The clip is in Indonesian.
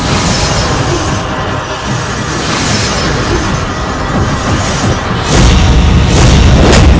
apapun yang terjadi